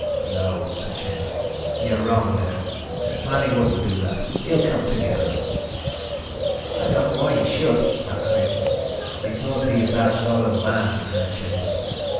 "No," said Chambers, "you're wrong there. Manning wouldn't do that. He'll come to get us." "I don't know why he should," snapped Craven. "Because he's that sort of man," declared Chambers.